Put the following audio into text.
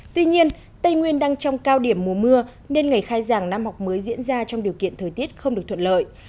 tuy nhiên tây nguyên đang trong cao điểm mùa mưa nên ngày khai giảng năm học mới diễn ra trong điều kiện thời tiết không được thuận lợi